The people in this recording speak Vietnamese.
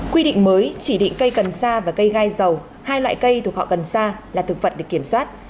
quy định mới chỉ định cây cần sa và cây gai dầu hai loại cây thuộc họ cần sa là thực vật để kiểm soát